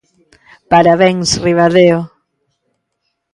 Parabéns, Ribadeo.